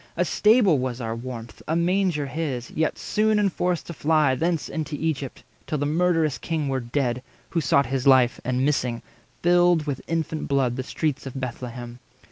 A stable was our warmth, A manger his; yet soon enforced to fly Thence into Egypt, till the murderous king Were dead, who sought his life, and, missing, filled With infant blood the streets of Bethlehem.